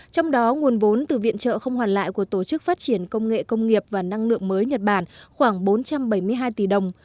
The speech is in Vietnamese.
trong đó nguồn vốn từ viện trợ không hoàn lại của tổ chức phát triển công nghệ công nghiệp và năng lượng mới nhật bản khoảng bốn trăm bảy mươi hai tỷ đồng